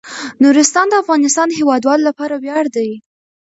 نورستان د افغانستان د هیوادوالو لپاره ویاړ دی.